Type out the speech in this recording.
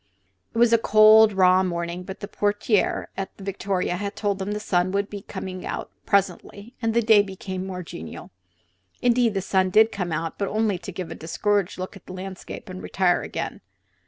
It was a cold, raw morning, but the portiere at the Victoria had told them the sun would be out presently and the day become more genial. Indeed, the sun did come out, but only to give a discouraged look at the landscape and retire again.